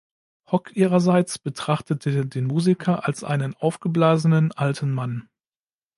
Hogg ihrerseits betrachtete den Musiker als „einen aufgeblasenen alten Mann“.